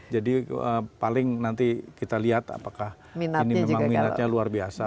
jadi paling nanti kita lihat apakah ini minatnya luar biasa